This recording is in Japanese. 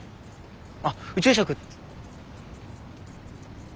あっ宇宙食。